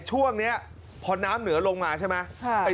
ช่วงนี้พอน้ำเหนือลงมาใช่ไหม